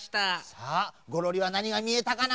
さあゴロリはなにがみえたかな？